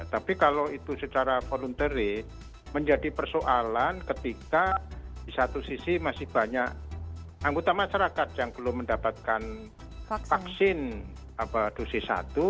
tapi kalau itu secara voluntary menjadi persoalan ketika di satu sisi masih banyak anggota masyarakat yang belum mendapatkan vaksin dosis satu